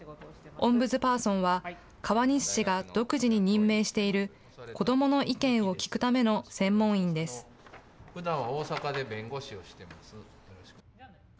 オンブズパーソンは、川西市が独自に任命している子どもの意見を聞くための専門員です。